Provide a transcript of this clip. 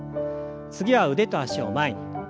次は腕と脚を前に。